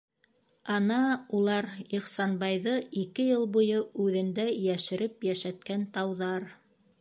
Ана улар, Ихсанбайҙы ике йыл буйы үҙендә йәшереп йәшәткән тауҙар!